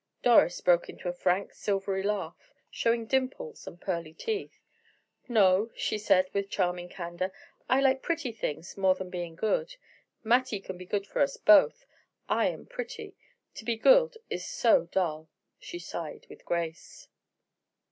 Doris broke into a frank, silvery laugh, showing dimples and pearly teeth. "No," she said, with charming candor. "I like pretty things more than being good. Mattie can be good for us both. I am pretty. To be good is so dull," she sighed with grace.